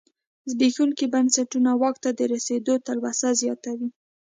زبېښونکي بنسټونه واک ته د رسېدو تلوسه زیاتوي.